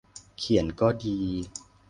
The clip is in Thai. เขียนก็ดี